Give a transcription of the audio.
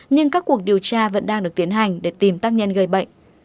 nhưng các cuộc điều tra vẫn đang được tiến hành để tìm tác nhân gây bệnh